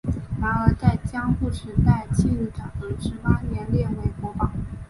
然而在江户时代庆长十八年列为国宝。